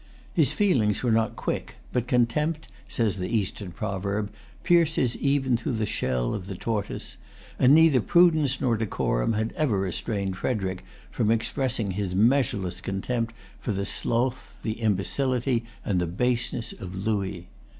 His feelings were not[Pg 299] quick; but contempt, says the Eastern proverb, pierces even through the shell of the tortoise; and neither prudence nor decorum had ever restrained Frederic from expressing his measureless contempt for the sloth, the imbecility, and the baseness of Louis.